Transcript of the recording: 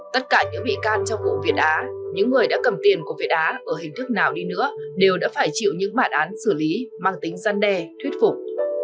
tất cả những bị can trong vụ việt á những người đã cầm tiền của việt á ở hình thức nào đi nữa đều đã phải chịu những bản án xử lý mang tính gian đe thuyết phục